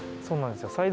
そうなんですよ。